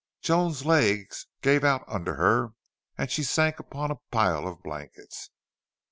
Joan's legs gave out under her and she sank upon a pile of blankets.